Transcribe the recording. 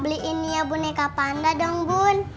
beliin ya boneka panda dong bun